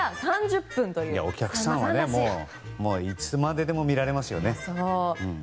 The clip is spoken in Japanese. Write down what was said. お客さんはいつまででも見られますよね。